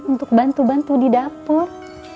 untuk bantu bantu di dapur